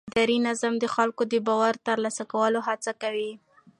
اداري نظام د خلکو د باور د ترلاسه کولو هڅه کوي.